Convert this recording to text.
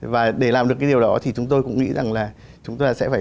và để làm được cái điều đó thì chúng tôi cũng nghĩ rằng là chúng ta sẽ phải